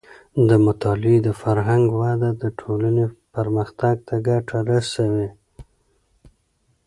د مطالعې د فرهنګ وده د ټولنې پرمختګ ته ګټه رسوي.